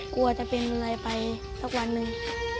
กลัวจะเป็นอะไรไปสักวันหนึ่ง